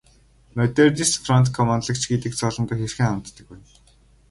Модернист фронт командлагч гэдэг цолондоо хэрхэн ханддаг вэ?